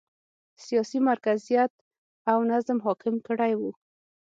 سیاسي مرکزیت او نظم حاکم کړی و.